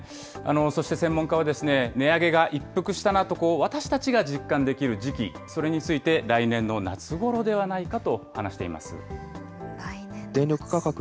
そして専門家は、値上げが一服したなと、私たちが実感できる時期、それについて来年の夏ごろではな来年の夏。